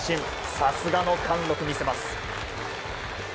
さすがの貫録を見せます。